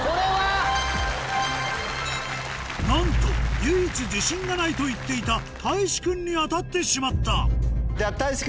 なんと唯一自信がないと言っていたたいし君に当たってしまったじゃあたいし